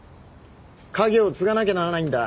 家業を継がなきゃならないんだ。